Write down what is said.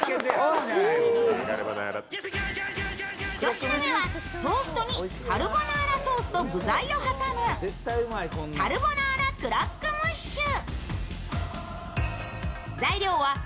１品目はトーストにカルボナーラソースと具材を挟むカルボナーラクロックムッシュ。